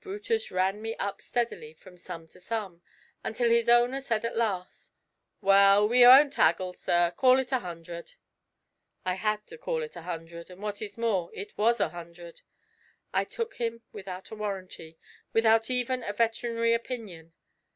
Brutus ran me up steadily from sum to sum, until his owner said at last: 'Well, we won't 'aggle, sir, call it a hundred.' I had to call it a hundred, and what is more, it was a hundred. I took him without a warranty, without even a veterinary opinion.